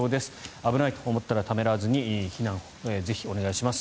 危ないと思ったら、ためらわずに避難をぜひお願いします。